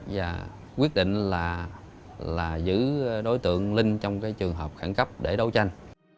và quyết định là giữ đối tượng linh trong cái trường hợp khẩn cấp để đấu tranh